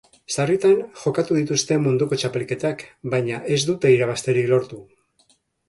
Sarritan jokatu dituzte munduko txapelketak, baina ez dute irabazterik lortu.